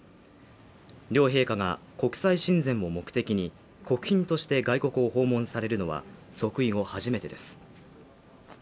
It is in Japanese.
両陛下が国際親善を目的に、国賓として外国訪問されるのは即位後初めてです。